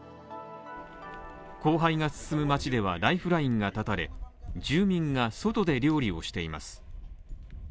荒廃が進む街ではライフラインが絶たれ住民が外で料理をしています。